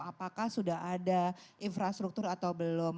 apakah sudah ada infrastruktur atau belum